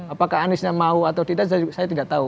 apakah aniesnya mau atau tidak saya tidak tahu